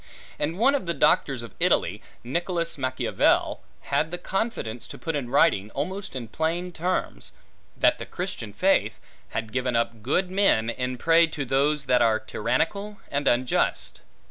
And one of the doctors of Italy, Nicholas Machiavel, had the confidence to put in writing, almost in plain terms, That the Christian faith, had given up good men, in prey to those that are tyrannical and unjust.